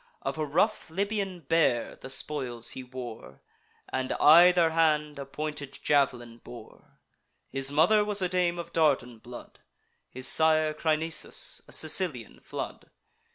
Of a rough Libyan bear the spoils he wore, And either hand a pointed jav'lin bore. His mother was a dame of Dardan blood; His sire Crinisus, a Sicilian flood.